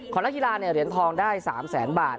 ของนักกีฬาเนี่ยเหรียญทองได้๓๐๐๐๐๐บาท